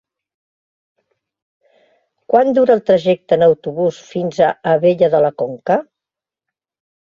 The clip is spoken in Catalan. Quant dura el trajecte en autobús fins a Abella de la Conca?